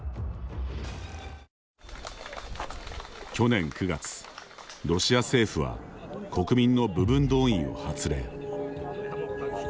去年９月、ロシア政府は国民の部分動員を発令。